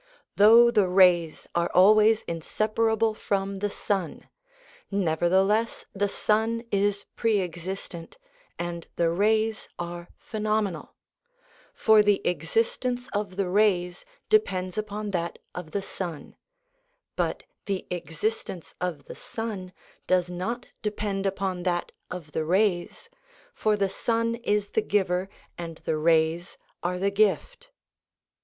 Though the rays are always inseparable from the sun, nevertheless the sun is pre existent and the rays are phenomenal, for the existence of the rays depends upon that of the sun ; but the existence of the sun does not depend upon that of the rays, for the sun is the giver and the rays are the gift.